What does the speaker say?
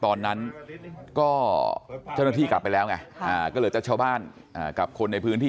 ตอนนั้นก็เจ้าหน้าที่กลับไปแล้วไงก็เหลือแต่ชาวบ้านกับคนในพื้นที่